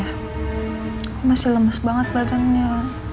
aku masih lemas banget badannya